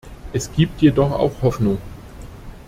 Es gibt jedoch auch Hoffnung.